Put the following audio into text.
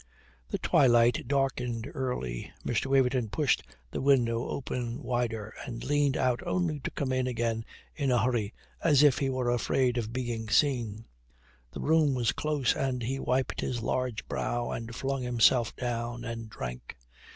The twilight darkened early. Mr. Waverton pushed the window open wider, and leaned out only to come in again in a hurry as if he were afraid of being seen. The room was close, and he wiped his large brow and flung himself down and drank.